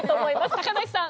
高梨さん。